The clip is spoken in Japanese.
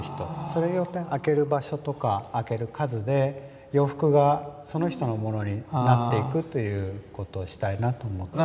それによって開ける場所とか開ける数で洋服がその人のものになっていくということをしたいなと思って。